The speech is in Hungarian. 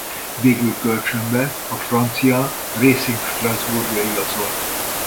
Végül kölcsönbe a francia Racing Strasbourg-ba igazolt.